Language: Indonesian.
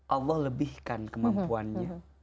allah lebihkan kemampuannya